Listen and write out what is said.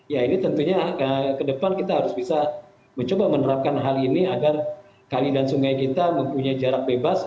ya ini tentunya ke depan kita harus bisa mencoba menerapkan hal ini agar kali dan sungai kita mempunyai jarak bebas